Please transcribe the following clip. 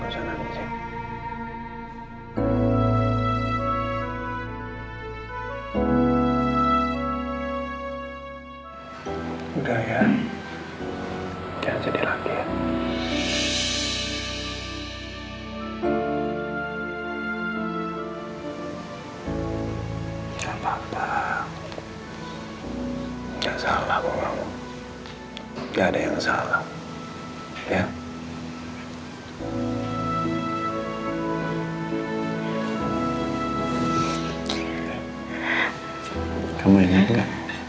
sampai jumpa di video selanjutnya